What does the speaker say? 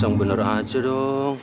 yang bener aja dong